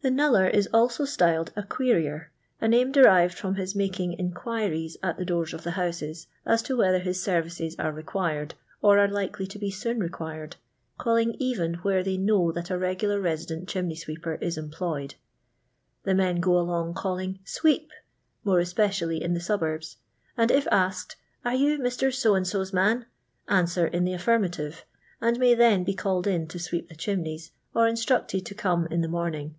The knuUer is also styled a *' qiteiier/* a name derived from his making inquiries at the doors of the houses as to whether his services are required or are likely to be soon required, calling even where they know that a regular resident chimney •weeper is employed. The men go along calling "sweep," more especially in the suburbs, and if asked "Are you Mr. So and So's manT' answer in the affirmative, and may then be called in to sweep the chimneys, or instructed to come in the morning.